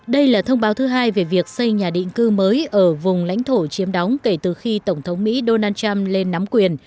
đây là thông báo thứ hai về việc xây nhà định cư mới ở vùng lãnh thổ chiếm đóng kể từ khi tổng thống mỹ donald trump lên nắm quyền